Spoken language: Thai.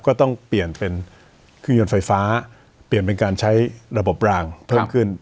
ก็ต้องเปลี่ยนเป็นเครื่องยนต์ไฟฟ้าเปลี่ยนเป็นการใช้ระบบรางเพิ่มขึ้น